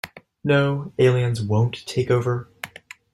No, Aliens won't take over.